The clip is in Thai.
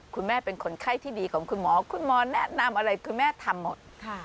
คุณแม่เป็นคนไข้ที่ดีของคุณหมอคุณหมอแนะนำอะไรคุณแม่ทำหมด